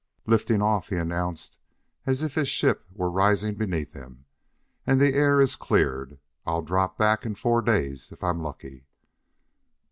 "Lifting off!" he announced as if his ship were rising beneath him, "and the air is cleared. I'll drop back in four days if I'm lucky."